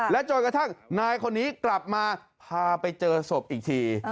จนกระทั่งนายคนนี้กลับมาพาไปเจอศพอีกที